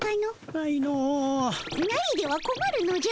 ないではこまるのじゃ。